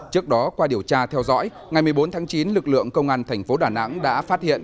trước đó qua điều tra theo dõi ngày một mươi bốn tháng chín lực lượng công an thành phố đà nẵng đã phát hiện